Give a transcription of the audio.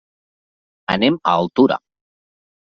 Anem a Altura.